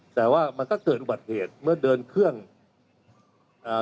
แต่ว่ามันก็เกิดอุบัติเหตุเมื่อเดินเครื่องอ่า